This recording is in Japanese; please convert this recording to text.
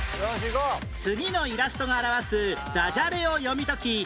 次のイラストが表すダジャレを読み解き